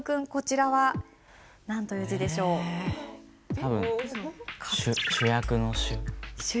多分主役の「主」。